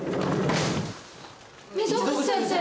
溝口先生！